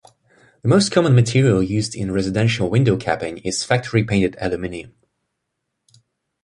The most common material used in residential window capping is factory painted aluminum.